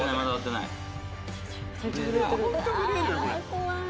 怖い。